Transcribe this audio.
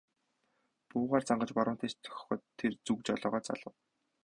Буугаар зангаж баруун тийш дохиход тэр зүг жолоогоо залав.